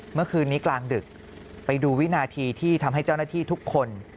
เมื่อคืนนี้กลางดึกไปดูวินาทีที่ทำให้เจ้าหน้าที่ทุกคน